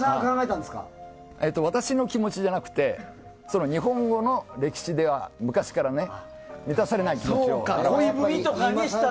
私の気持ちじゃなくて日本語の歴史では昔から満たされない気持ちを恋といっていました。